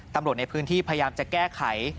ตำรวจในพื้นที่พยายามจะแก้ไข